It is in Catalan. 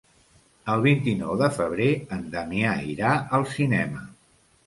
El vint-i-nou de febrer en Damià irà al cinema.